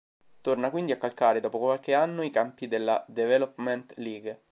Torna quindi a calcare dopo qualche anno i campi della Development League.